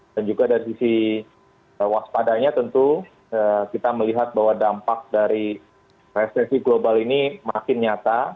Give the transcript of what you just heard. dan juga dari sisi waspadanya tentu kita melihat bahwa dampak dari resesi global ini makin nyata